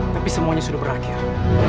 tapi semuanya sudah berakhir